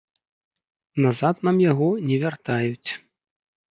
Назад нам яго не вяртаюць.